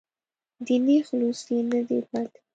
دیني خلوص یې نه دی پاتې.